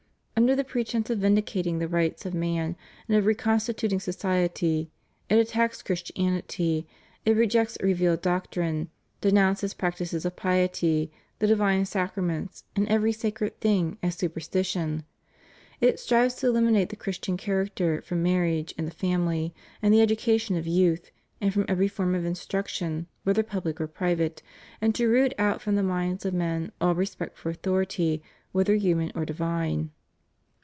Under the pretence of vindicating the rights of man and of re constituting society, it attacks Christianity; it rejects revealed doctrine, denounces practices of piety, the divine sacraments, and every sacred thing as superstition; it strives to eliminate the Christian character from mar riage and the family and the education of youth, and from every form of instruction, whether pubUc or private, and to root out from the minds of men all respect for authority, whether human or divine.